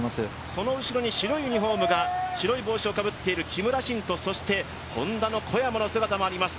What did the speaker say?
その後ろに白いユニフォーム、白い帽子をかぶっている木村慎とそしてＨｏｎｄａの小山の姿もあります